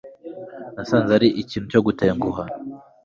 Nasanze ari ikintu cyo gutenguha